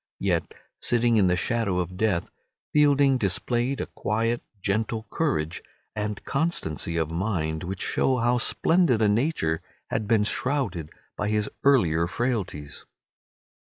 Yet, sitting in the shadow of death, Fielding displayed a quiet, gentle courage and constancy of mind, which show how splendid a nature had been shrouded by his earlier frailties.